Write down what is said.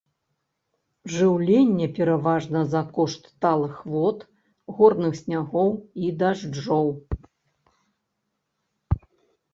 Жыўленне пераважна за кошт талых вод горных снягоў і дажджоў.